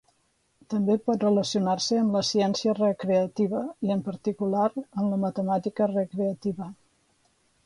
També pot relacionar-se amb la ciència recreativa, i en particular amb la matemàtica recreativa.